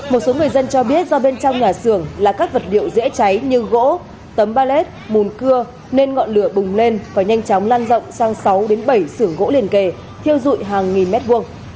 một số người dân cho biết do bên trong nhà sưởng là các vật liệu dễ cháy như gỗ tấm balet mùn cưa nên ngọn lửa bùng lên và nhanh chóng lan rộng sang sáu đến bảy sưởng gỗ liền kề thiêu dụi hàng nghìn mét vuông